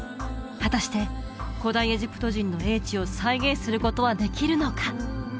果たして古代エジプト人の叡智を再現することはできるのか？